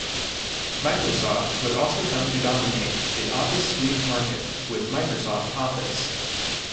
Microsoft would also come to dominate the office suite market with Microsoft Office.